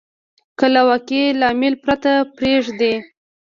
که له واقعي لامل پرته پرېږدي.